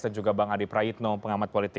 dan juga bang adi prayitno pengamat politik